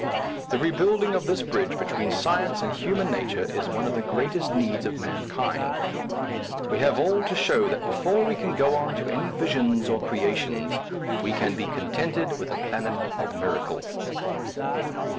The rebuilding of this bridge between science and human na ture is one of the greatest needs of man kind. We have all to show that before we go on to any visions or creations we can be contented with a planet of miracles.